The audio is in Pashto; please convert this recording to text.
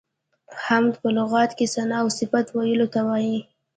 حمد په لغت کې ثنا او صفت ویلو ته وایي.